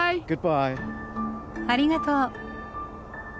ありがとう。